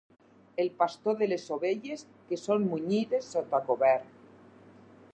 El pastor de les ovelles que són munyides sota cobert.